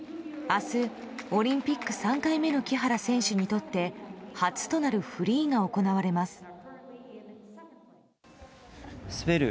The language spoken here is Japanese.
明日、オリンピック３回目の木原選手にとって初となるフリーが行われます。